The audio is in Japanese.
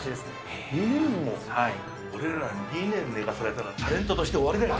俺ら、２年寝かされたらタレントとして終わりだよね。